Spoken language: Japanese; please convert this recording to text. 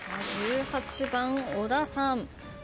１８番小田さん。